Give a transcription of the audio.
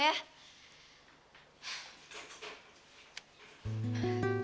sampai ketemu ya